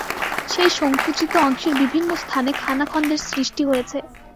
সেই সংকুচিত অংশের বিভিন্ন স্থানে খানাখন্দের সৃষ্টি হয়েছে।